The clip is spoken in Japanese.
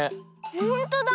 ほんとだ。